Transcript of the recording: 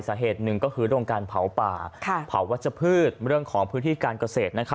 สาเหตุหนึ่งก็คือเรื่องการเผาป่าเผาวัชพืชเรื่องของพื้นที่การเกษตร